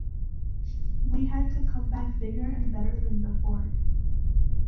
We had to come back bigger and better than before.